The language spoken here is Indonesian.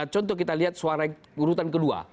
contoh kita lihat suara urutan kedua